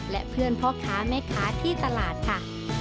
และเพื่อนพ่อค้าแม่ค้าที่ตลาดค่ะ